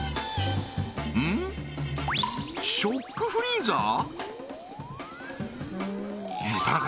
ショックフリーザー？